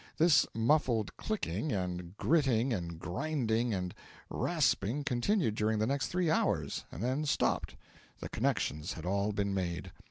This muffled clicking and gritting and grinding and rasping continued during the next three hours, and then stopped the connections had all been made.